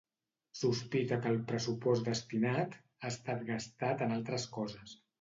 Sospita que el pressupost destinat ha estat gastat en altres coses.